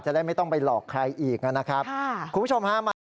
ได้ไม่ต้องไปหลอกใครอีกนะครับคุณผู้ชมฮะมาดู